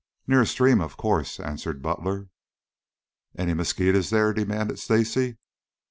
"Near a stream, of course," answered Butler. "Any mosquitoes there?" demanded Stacy.